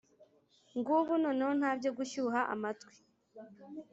Ngubu noneho ntabyo gushyuha amatwi